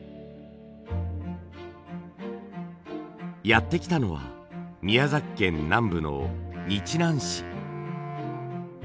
やって来たのは宮崎県南部の日南市。